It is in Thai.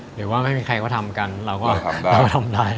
หรือว่าไม่มีใครเขาทำกันเราก็เราทำได้